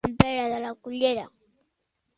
En Pere de la cullera.